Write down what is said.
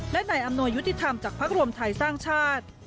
และนายอำนวยยุติธรรมจากภักดิ์รวมไทยสร้างชาติ